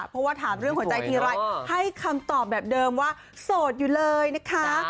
เพราะว่าถามเรื่องหัวใจทีไรให้คำตอบแบบเดิมว่าโสดอยู่เลยนะคะ